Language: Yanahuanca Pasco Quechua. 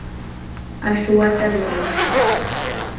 aswata ruray.